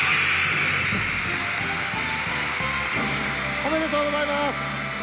おめでとうございます！